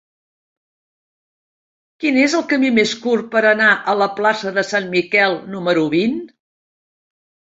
Quin és el camí més curt per anar a la plaça de Sant Miquel número vint?